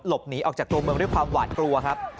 หนีออกจากตัวเมืองด้วยความหวาดกลัวครับ